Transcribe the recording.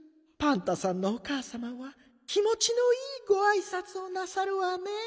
パンタさんのおかあさまは気もちのいいごあいさつをなさるわね。